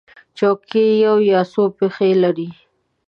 چوکۍ یو یا څو پښې لري.